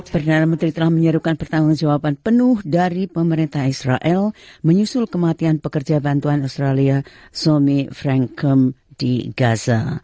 perdana menteri telah menyerukan pertanggungjawaban penuh dari pemerintah israel menyusul kematian pekerja bantuan australia somi frankom di gaza